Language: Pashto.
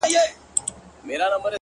مُلا سړی سو- اوس پر لاره د آدم راغلی-